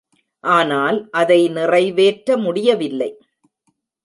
ஆனால் அதை நிறைவேற்ற முடியவில்லை.